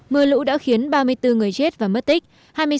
mưa lũ đã khiến ba mươi bốn người chết và mất tích